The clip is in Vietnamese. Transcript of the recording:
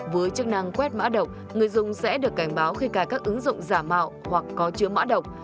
với chức năng quét mã độc người dùng sẽ được cảnh báo khi cài các ứng dụng giả mạo hoặc có chứa mã độc